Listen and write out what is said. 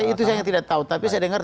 itu saya yang tidak tahu tapi saya dengar